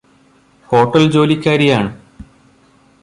hotel ജോലിക്കാരിയാണ്